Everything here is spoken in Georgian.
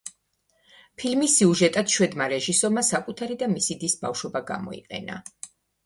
ფილმის სიუჟეტად შვედმა რეჟისორმა საკუთარი და მისი დის ბავშვობა გამოიყენა.